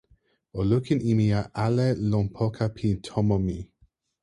o lukin e ma ale lon poka pi tomo mi!